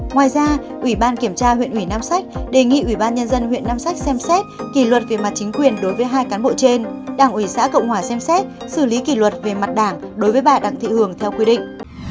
ngoài ra ủy ban kiểm tra huyện ủy nam sách đề nghị ủy ban nhân dân huyện nam sách xem xét kỷ luật về mặt chính quyền đối với hai cán bộ trên đảng ủy xã cộng hòa xem xét xử lý kỷ luật về mặt đảng đối với bà đặng thị hường theo quy định